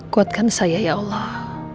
kuatkan saya ya allah